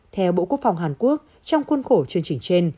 theo bộ quốc phòng hàn quốc trong khuôn khổ chương trình trên